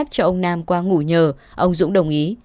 cho ông nam qua ngủ nhờ ông dũng đồng ý